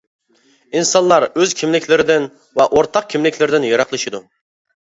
ئىنسانلار ئۆز كىملىكلىرىدىن ۋە ئورتاق كىملىكلىرىدىن يىراقلىشىدۇ.